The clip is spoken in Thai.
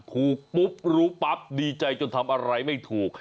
ถูกปุ๊บรู้ปั๊บดีใจจนทำอะไรไม่ถูก